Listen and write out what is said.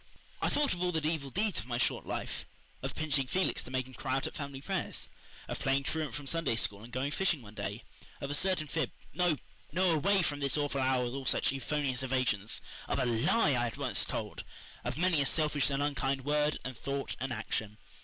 I thought of all the evil deeds of my short life of pinching Felix to make him cry out at family prayers, of playing truant from Sunday School and going fishing one day, of a certain fib no, no away from this awful hour with all such euphonious evasions of a LIE I had once told, of many a selfish and unkind word and thought and action.